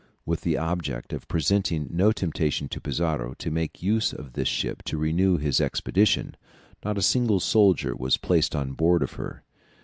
With the object of presenting no temptation to Pizarro to make use of this ship to renew his expedition, not a single soldier was placed on board of her.